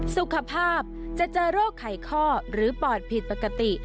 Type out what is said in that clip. สุขภาพจะเจอโรคไขข้อหรือปอดผิดปกติ